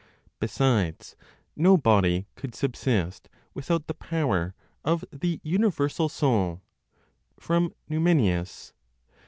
Besides no body could subsist without the power of the universal Soul (from Numenius).